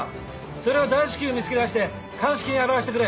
それを大至急見つけ出して鑑識に洗わせてくれ。